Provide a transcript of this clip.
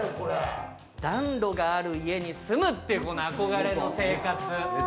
暖炉がある家に住むというあこがれの生活。